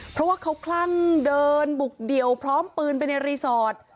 เพราะว่าเขาคลั่งเดินบุกเดี่ยวพร้อมปืนไปในรีสอร์ท